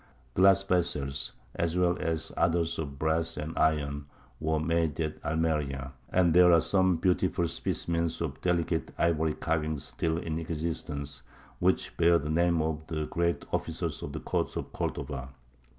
Glass vessels, as well as others of brass and iron, were made at Almeria, and there are some beautiful specimens of delicate ivory carvings still in existence, which bear the names of great officers of the court of Cordova.